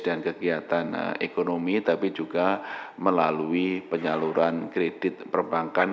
dan kegiatan ekonomi tapi juga melalui penyaluran kredit perbankan